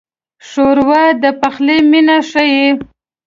ښوروا د پخلي مینه ښيي.